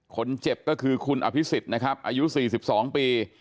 คนเจ็บก็คือคุณอภิษฎิ์นะครับอายุสี่สิบสองปี